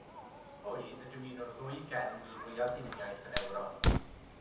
Hwy ydyw un o'r ddwy genedl fwyaf uniaith yn Ewrop.